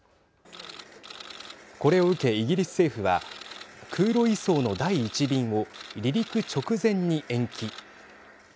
これを受け、イギリス政府は空路移送の第１便を離陸直前に延期。